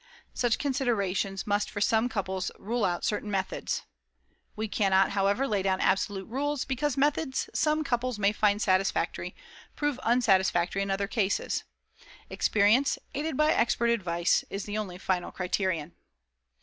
Such considerations must for some couples rule out certain methods. We cannot, however, lay down absolute rules, because methods some couples may find satisfactory prove unsatisfactory in other cases. Experience, aided by expert advice, is the only final criterion.